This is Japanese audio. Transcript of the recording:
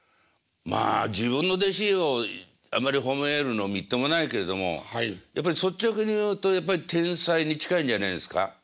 まあ自分の弟子をあんまり褒めるのみっともないけれどもやっぱり率直に言うとやっぱり天才に近いんじゃないですか？